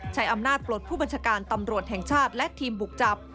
ใช้อำนาจปลดผู้บัญชาการตำรวจแห่งชาติและทีมบุกจับ